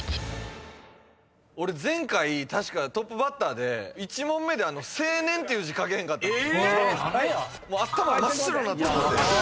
俺前回確かトップバッターで１問目で「青年」っていう字書けへんかった頭真っ白になってもうて。